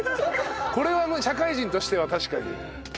これは社会人としては確かに。